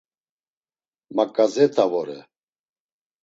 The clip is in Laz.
Maǩazeta vore.